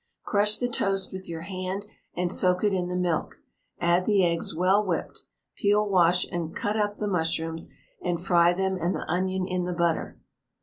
Crush the toast with your hand and soak it in the milk; add the eggs well whipped. Peel, wash, and out up the mushrooms, and fry them and the onion in the butter.